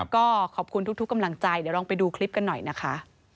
ก็ขอบคุณทุกกำลังใจเดี๋ยวลองไปดูคลิปกันหน่อยนะคะ